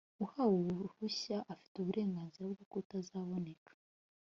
uwahawe uruhushya afite uburenganzira bwo kutazaboneka